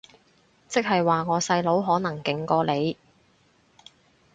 即係話我細佬可能勁過你